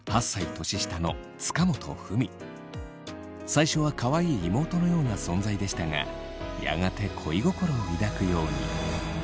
最初はかわいい妹のような存在でしたがやがて恋心を抱くように。